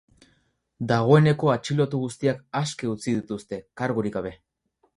Dagoeneko atxilotu guztiak aske utzi dituzte, kargurik gabe.